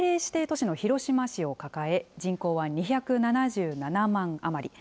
政令指定都市の広島市を抱え、人口は２７７万余り。